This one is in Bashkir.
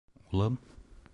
- Улым...